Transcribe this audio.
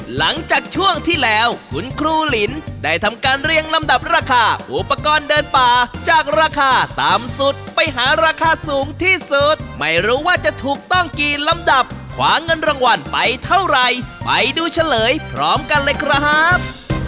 หลังจากช่วงที่แล้วคุณครูหลินได้ทำการเรียงลำดับราคาอุปกรณ์เดินป่าจากราคาต่ำสุดไปหาราคาสูงที่สุดไม่รู้ว่าจะถูกต้องกี่ลำดับขวาเงินรางวัลไปเท่าไหร่ไปดูเฉลยพร้อมกันเลยครับ